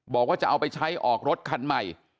บอกว่าจะเอาไปใช้ออกรถคันใหม่